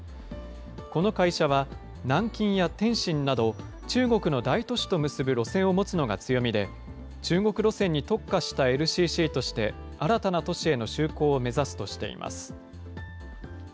この会社は南京や天津など、中国の大都市と結ぶ路線を持つのが強みで、中国路線に特化したＬＣＣとして、新たな都市への就航を目指すとしています。